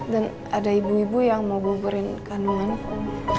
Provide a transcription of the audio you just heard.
dan ada ibu ibu yang mau buburin kandunganku